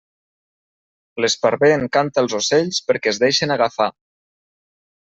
L'esparver encanta els ocells perquè es deixen agafar.